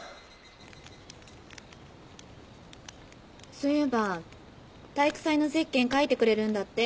そういえば体育祭のゼッケン書いてくれるんだって？